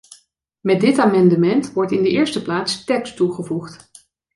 Met dit amendement wordt in de eerste plaats tekst toegevoegd.